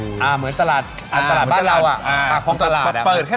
เหมือนตลาดบ้านเราตากพร้อมตลาด